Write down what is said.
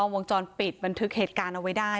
วงจรปิดบันทึกเหตุการณ์เอาไว้ได้